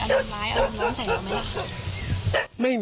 อารมณ์ร้อนใส่หรือไม่ล่ะ